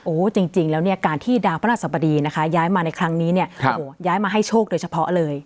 โอ้โหจริงแล้วเนี่ยการที่ดาวพระราชสบดีนะคะย้ายมาในครั้งนี้เนี่ยโอ้โหย้ายมาให้โชคโดยเฉพาะเลย